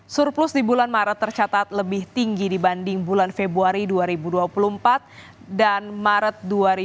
surplus di bulan maret tercatat lebih tinggi dibanding bulan februari dua ribu dua puluh empat dan maret dua ribu dua puluh